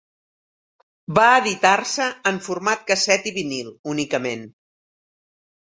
Va editar-se en format casset i vinil únicament.